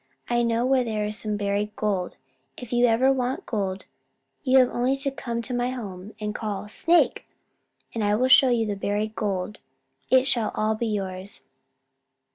I know where there is some buried gold. If ever you want gold, you have only to come to my home and call, 'Snake!' and I will show you the buried gold. It shall all be yours."